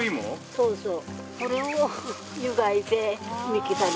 そうそう。